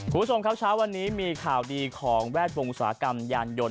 คุณผู้ชมครับเช้าวันนี้มีข่าวดีของแวดวงอุตสาหกรรมยานยนต